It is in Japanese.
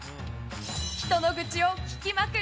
人の愚痴を聞きまくる